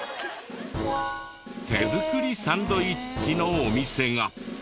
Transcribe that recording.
手作りサンドイッチのお店が。